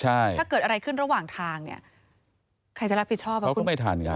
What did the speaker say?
ใช่ถ้าเกิดอะไรขึ้นระหว่างทางเนี่ยใครจะรับผิดชอบ